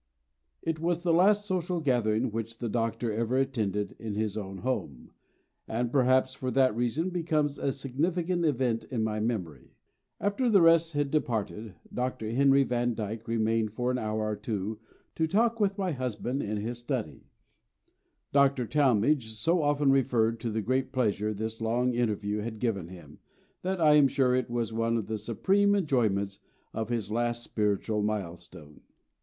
It was the last social gathering which the Doctor ever attended in his own home, and perhaps for that reason becomes a significant event in my memory. After the rest had departed, Dr. Henry Van Dyke remained for an hour or two to talk with my husband in his study. Dr. Talmage so often referred to the great pleasure this long interview had given him, that I am sure it was one of the supreme enjoyments of his last spiritual milestone.